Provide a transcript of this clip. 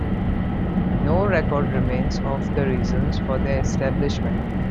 No record remains of the reasons for their establishment.